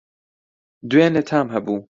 دوێنی تام هەبوو